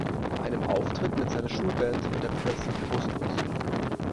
Bei einem Auftritt mit seiner Schulband wird er plötzlich bewusstlos.